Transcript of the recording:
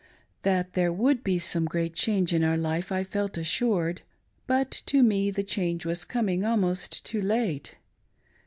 That there would be some great change in our life, I felt assured ; but to me the change was coming almost too late.